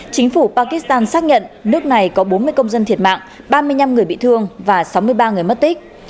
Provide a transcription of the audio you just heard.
chính phủ pakistan xác nhận nước này có bốn mươi công dân thiệt mạng ba mươi năm người bị thương và sáu mươi ba người mất tích